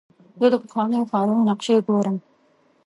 زه د پخوانیو ښارونو نقشې ګورم.